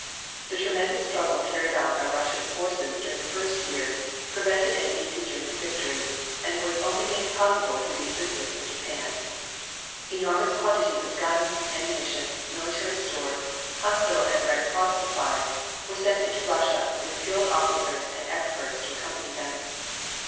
The tremendous struggle carried on by Russia's forces during the first years prevented an easy German victory, and was only made possible through the assistance of Japan. Enormous quantities of guns, ammunition, military stores, hospital and Red Cross supplies, were sent into Russia, with skilled officers and experts to accompany them.